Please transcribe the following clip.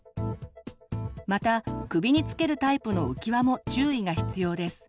また首につけるタイプの浮き輪も注意が必要です。